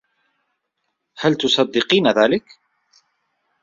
هل تصدّقين ذلك؟